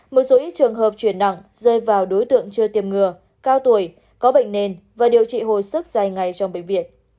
một số ít trường hợp chuyển nặng rơi vào đối tượng chưa tiêm ngừa cao tuổi có bệnh nền và điều trị hồi sức dài ngày trong bệnh viện